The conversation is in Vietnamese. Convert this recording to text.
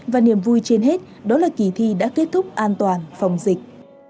và niềm vui trên hết đó là kỳ thi đã kết thúc an toàn phòng dịch